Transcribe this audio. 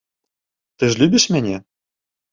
Ты ж любіш мяне?